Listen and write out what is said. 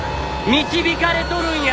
導かれとるんやて！